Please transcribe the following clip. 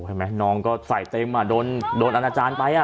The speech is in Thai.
โอ้โหเห็นไหมน้องก็ใส่เต้มอ่ะโดนโดนดอลาจารย์ไปอ่ะ